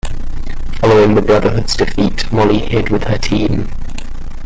Following the Brotherhood's defeat, Molly hid with her team.